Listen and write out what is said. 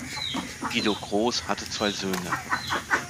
Guido Groß hatte zwei Söhne.